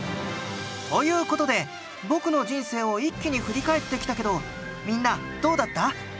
という事で僕の人生を一気に振り返ってきたけどみんなどうだった？